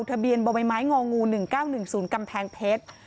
ทะเบียนบ่อใบไม้งองู๑๙๑๐กำแพงเพชร